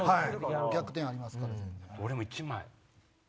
逆転ありますから全然。